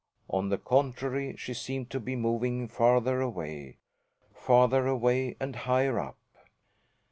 On the contrary, she seemed to be moving farther away farther away and higher up.